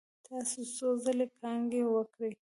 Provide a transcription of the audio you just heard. تاسو څو ځلې کانګې وکړې؟